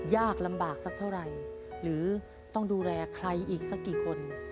ยากลำบากสักเท่าไหร่หรือต้องดูแลใครอีกสักกี่คน